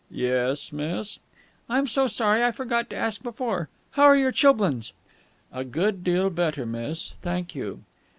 "Yes, miss?" "I'm so sorry I forgot to ask before. How are your chilblains?" "A good deal better miss, thank you."